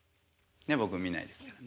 ねっ僕見ないですからね。